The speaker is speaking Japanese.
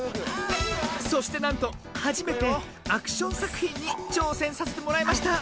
そしてなんとはじめてアクションさくひんにちょうせんさせてもらいました。